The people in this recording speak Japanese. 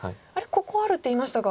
ここあるって言いましたが。